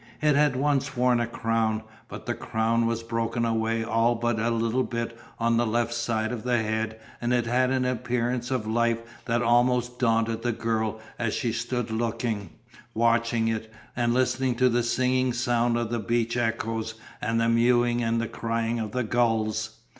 It had once worn a crown, but the crown was broken away all but a little bit on the left side of the head and it had an appearance of life that almost daunted the girl as she stood looking, watching it, and listening to the singing sound of the beach echoes and the mewing and crying of the gulls.